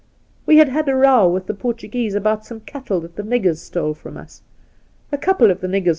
We had had a row with the Portu guese about some cattle that the niggers stole from us. A couple of the niggers